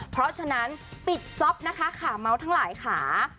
เพราะฉะนั้นปิดซ็อปนะคะค่ะม้าวทั้งหลายขา